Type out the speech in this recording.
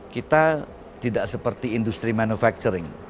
kita tidak seperti industri manufacturing